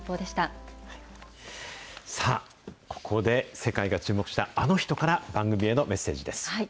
さあ、ここで、世界が注目したあの人から、番組へのメッセージです。